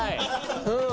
うん。